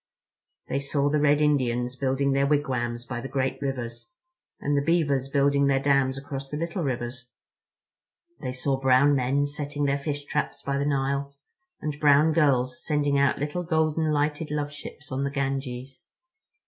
They saw the Red Indians building their wigwams by the great rivers—and the beavers building their dams across the little rivers; they saw brown men setting their fish traps by the Nile, and brown girls sending out little golden lighted love ships on the Ganges.